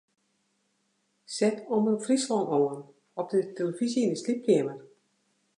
Set Omrop Fryslân oan op de tillefyzje yn 'e sliepkeamer.